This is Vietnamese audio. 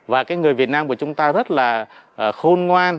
và cái người việt nam của chúng ta rất là khôn ngoan